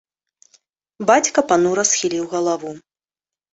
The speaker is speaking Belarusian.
Бацька панура схіліў галаву.